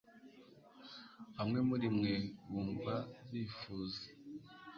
Bamwe muri mwe bumva bifuza